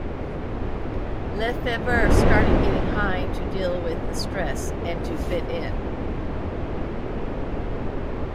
LeFevre started getting high to deal with the stress and to fit in.